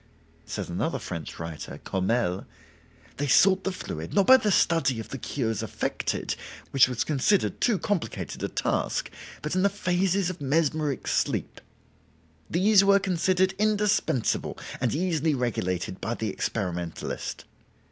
Says another French writer (Courmelles): "They sought the fluid, not by the study of the cures affected, which was considered too complicated a task, but in the phases of mesmeric sleep. These were considered indispensable and easily regulated by the experimentalist.